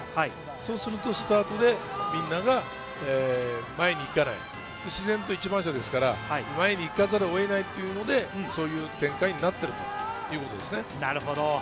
そうするとスタートでみんなが前に行かない、自然と一番後ろですから、前に行かざるを得ないというので、そういう展開になっているということですね。